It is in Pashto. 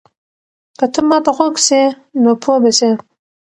که ته ما ته غوږ سې نو پوه به سې.